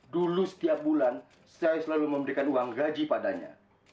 dulu setiap bulan saya selalu memberikan uang gaji padanya